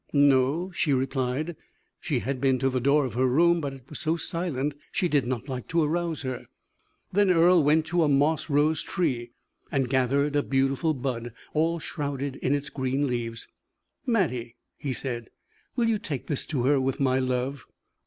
"No," she replied. She had been to the door of her room, but it was so silent she did not like to arouse her. Then Earle went to a moss rose tree and gathered a beautiful bud, all shrouded in its green leaves. "Mattie," he said, "will you take this to her, with my love?"